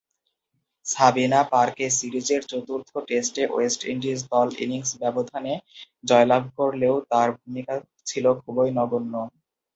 সাবিনা পার্কে সিরিজের চতুর্থ টেস্টে ওয়েস্ট ইন্ডিজ দল ইনিংস ব্যবধানে জয়লাভ করলেও তার ভূমিকা ছিল খুবই নগণ্য।